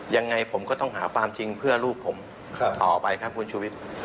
ยังไงผมก็ต้องหาความจริงเพื่อลูกผมต่อไปครับคุณชุวิต